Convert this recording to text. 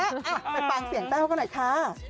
อ่ะไปฟังเสียงแต้วกันหน่อยค่ะ